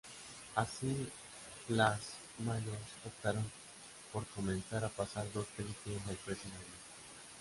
Así, las Majors optaron por comenzar a pasar dos películas al precio de una.